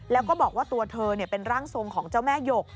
แล้วก็บอกว่าตัวเธอเป็นร่างทรงของเจ้าแม่หยก